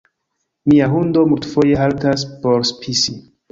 Mia hundo multfoje haltas por pisi